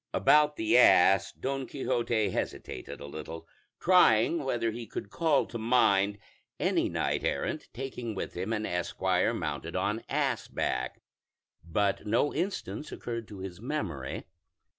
About the ass, Don Quixote hesitated a little, trying whether he could call to mind any knight errant taking with him an esquire mounted on ass back, but no instance occurred to his memory.